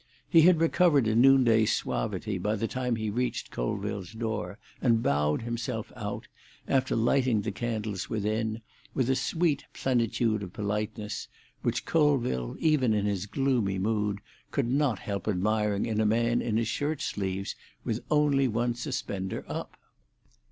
He had recovered a noonday suavity by the time he reached Colville's door, and bowed himself out, after lighting the candles within, with a sweet plenitude of politeness, which Colville, even in his gloomy mood, could not help admiring in a man in his shirt sleeves, with only one suspender up.